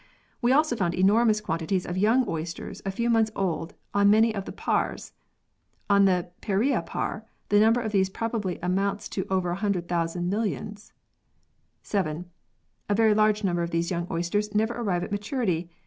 We also found enormous quantities of young oysters a few months old on many of the Paars. On the Periya Paar the number of these probably amounts to over a hundred thousand million. 7. A very large number of these young oysters never arrive at maturity.